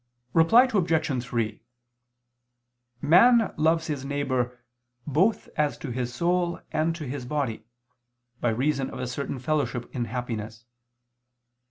Reply Obj. 3: Man loves his neighbor, both as to his soul and as to his body, by reason of a certain fellowship in happiness.